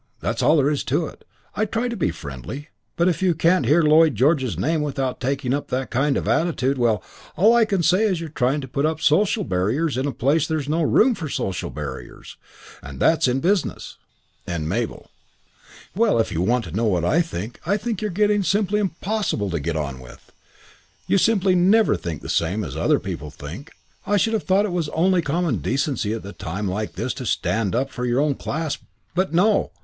That's all there is to it. I try to be friendly; but if you can't hear Lloyd George's name without taking up that kind of attitude, well, all I can say is you're trying to put up social barriers in a place where there's no room for social barriers, and that's in business." And Mabel: "Well, if you want to know what I think, I think you're getting simply impossible to get on with. You simply never think the same as other people think. I should have thought it was only common decency at a time like this to stand up for your own class; but, no.